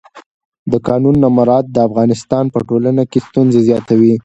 د قانون نه مراعت د افغانستان په ټولنه کې ستونزې زیاتوي